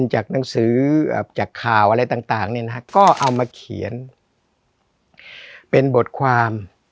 จากหนังสือจากข่าวอะไรต่างก็เอามาเขียนเป็นบทความ